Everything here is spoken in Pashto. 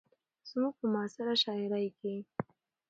زموږ په معاصره شاعرۍ کې